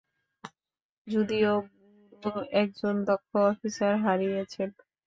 যদিও ব্যুরো একজন দক্ষ অফিসার হারিয়েছেন।